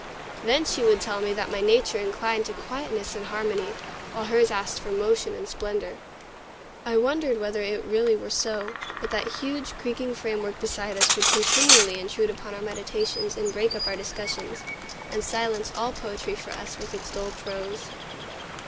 Then she would tell me that my nature inclined to quietness and harmony, while hers asked for motion and splendor. I wondered whether it really were so. But that huge, creaking framework beside us would continually intrude upon our meditations and break up our discussions, and silence all poetry for us with its dull prose.